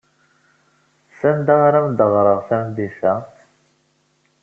Sanda ara am-d-ɣreɣ tameddit-a?